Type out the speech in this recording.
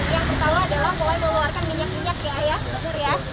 yang pertama adalah mulai mengeluarkan minyak minyak ya ayah